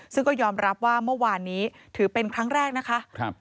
ซึ่งก็ยอมรับว่าเมื่อวานนี้ถือเป็นครั้งแรกนะคะ